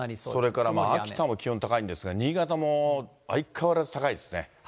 それから秋田も気温高いんですが、新潟も相変わらず高いですね。